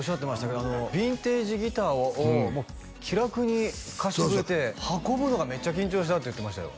けどヴィンテージギターを気楽に貸してくれて運ぶのがめっちゃ緊張したって言ってましたよ